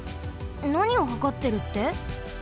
なにをはかってるって？